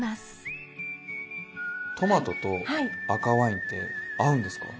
トマトと赤ワインって合うんですか？